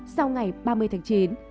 sau ngày ba tháng